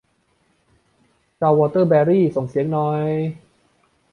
ชาววอเตอร์เบอรี่ ส่งเสียงหน่อย